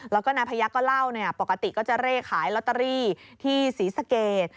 แล้วก็นายพยักษ์ก็เล่าปกติก็จะเร่ขายลอตเตอรี่ที่ศรีสเกต